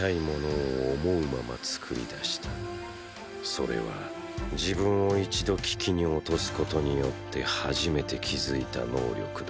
それは自分を一度危機に落とすことによって初めて気付いた能力だった。